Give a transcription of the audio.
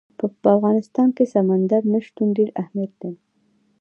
په افغانستان کې سمندر نه شتون ډېر اهمیت لري.